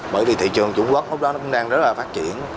bởi vì thị trường trung quốc lúc đó nó cũng đang rất là phát triển